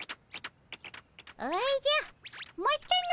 おじゃまたの。